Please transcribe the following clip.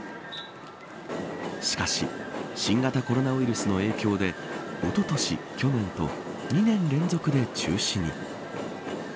しかし新型コロナウイルスの影響でおととし、去年と２年連続で中止に。